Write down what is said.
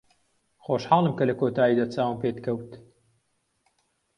خۆشحاڵم کە لە کۆتاییدا چاوم پێت کەوت.